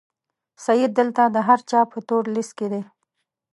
سید دلته د هر چا په تور لیست کې دی.